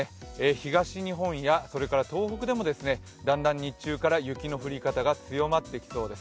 東日本や東北でもだんだん日中から雪の降り方が強まってきそうです。